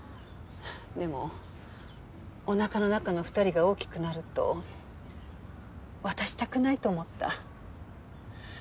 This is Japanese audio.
でもおなかの中の２人が大きくなると渡したくないと思った。